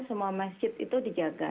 semua masjid itu dijaga